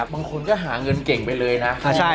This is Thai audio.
บางคนก็หาเงินเก่งไปเลยนะ